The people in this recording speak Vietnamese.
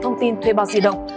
thông tin thuê bao di động